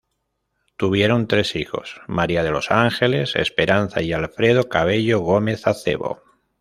Tuvieron tres hijos, María de los Ángeles, Esperanza y Alfredo Cabello Gómez-Acebo.